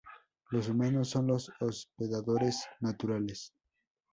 Los humanos son los hospedadores naturales.